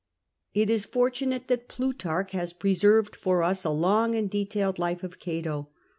It is fortunate that Plutarch has preserved for us a long and detailed life of Cato.